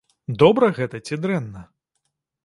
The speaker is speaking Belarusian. Добра гэта ці дрэнна?